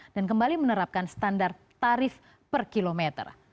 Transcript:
dan kembali menerapkan standar tarif per kilometer